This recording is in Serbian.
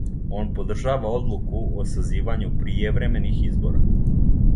Он подржава одлуку о сазивању пријевремених избора.